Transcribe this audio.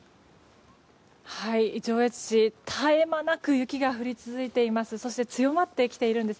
上越市、絶え間なく雪が降り続いています。